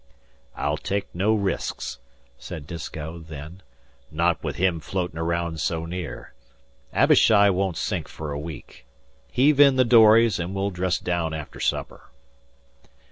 "I'll take no risks," said Disko then "not with him floatin' around so near. Abishai won't sink fer a week. Heave in the dories an' we'll dress daown after supper."